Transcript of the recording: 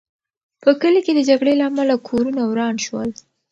په کلي کې د جګړې له امله کورونه وران شول.